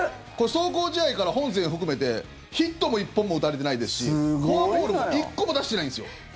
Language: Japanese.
壮行試合から本戦含めてヒットも１本も打たれてないですしフォアボールも１個も出してないんですよ。